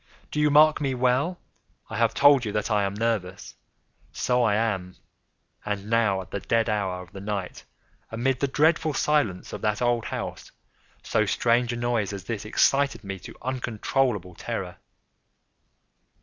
—do you mark me well? I have told you that I am nervous: so I am. And now at the dead hour of the night, amid the dreadful silence of that old house, so strange a noise as this excited me to uncontrollable terror.